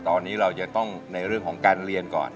ตอนนี้เราจะต้องในเรื่องของการเรียนก่อน